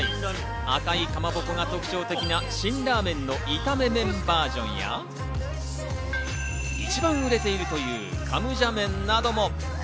赤いかまぼこが特徴的な辛ラーメンの炒めバージョンや一番売れているというカムジャ麺なども。